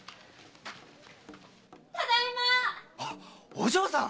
お嬢さん！